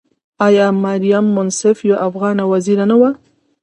آیا مریم منصف یوه افغانه وزیره نه وه؟